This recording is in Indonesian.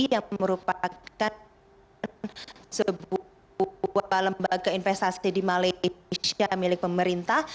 yang merupakan sebuah lembaga investasi di malaysia milik pemerintah